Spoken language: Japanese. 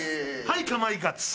はい『かまいガチ』。